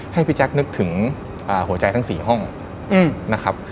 ให้พี่แจ๊คนึกถึงหัวใจทั้ง๔ห้องนะครับ